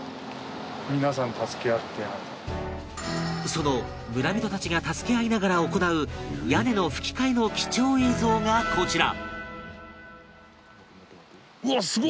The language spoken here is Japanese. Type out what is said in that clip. その村人たちが助け合いながら行う屋根の葺き替えの貴重映像がこちら